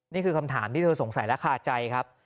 นี่คือคำถามที่เธอสงสัยและคาใจครับ